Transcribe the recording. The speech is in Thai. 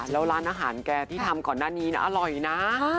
แล้วร้านอาหารแกที่ทำก่อนหน้านี้นะอร่อยนะ